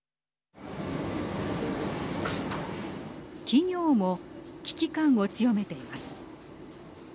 企業も危機感を強めています。